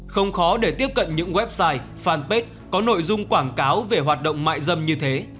không khó để tiếp cận những website fanpage có nội dung quảng cáo về hoạt động mại dâm như thế